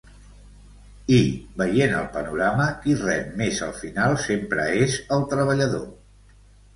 I, veient el panorama, qui rep més al final sempre és el treballador.